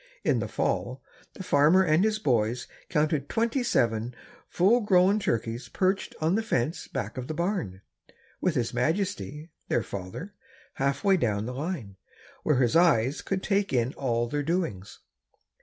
In the fall, the farmer and his boys counted twenty seven well grown turkeys perched on the fence back of the barn, with his majesty, their father, half way down the line, where his eyes could take in all their doings.